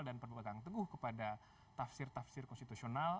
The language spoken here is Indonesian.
dan berpegang teguh kepada tafsir tafsir konstitusional